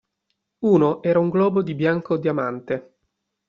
Uno era un globo di bianco diamante.